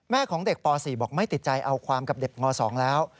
ของเด็กป๔บอกไม่ติดใจเอาความกับเด็กม๒แล้ว